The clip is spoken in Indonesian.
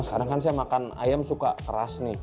sekarang kan saya makan ayam suka keras nih